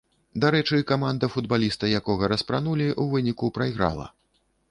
Дарэчы, каманда футбаліста, якога распранулі, у выніку прайграла.